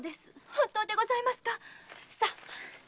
本当でございますか⁉